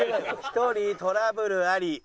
１人トラブルあり。